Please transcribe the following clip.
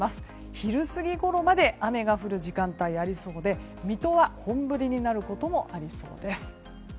昼過ぎごろまで雨が降るところ多そうで水戸は本降りになることもありそうです。